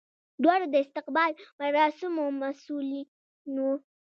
دواړه د استقبال مراسمو مسولین وو.